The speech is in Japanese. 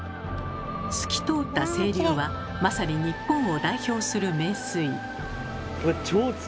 透き通った清流はまさに日本を代表する名水。